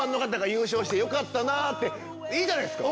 よかったなぁ！っていいじゃないですか。